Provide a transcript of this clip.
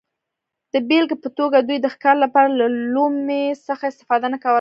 د بېلګې په توګه دوی د ښکار لپاره له لومې څخه استفاده نه کوله